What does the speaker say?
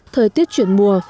thời tiết chuyển mùa